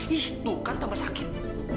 ih tuh kan tambah sakit